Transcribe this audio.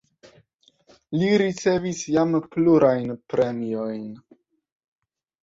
Li ricevis jam plurajn premiojn.